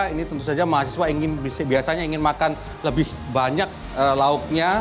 ini tentu saja mahasiswa biasanya ingin makan lebih banyak lauknya